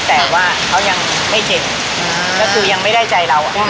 แต่ว่าเขายังไม่เจ็บอ๋อแล้วคือยังไม่ได้ใจเราอ่ะ